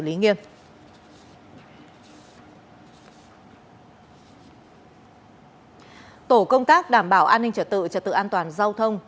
công an tp thủ đức đã đảm bảo an ninh trật tự trật tự an toàn giao thông